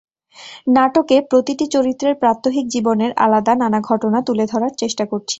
নাটকে প্রতিটি চরিত্রের প্রাত্যহিক জীবনের আলাদা নানা ঘটনা তুলে ধরার চেষ্টা করছি।